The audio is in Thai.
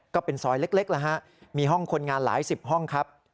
ก็เป็นซอยเล็กแล้วฮะมีห้องคนงานหลายสิบห้องครับ